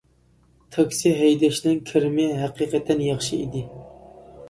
تاكسى ھەيدەشنىڭ كىرىمى ھەقىقەتەن ياخشى ئىدى.